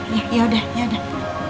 ya ya yaudah yaudah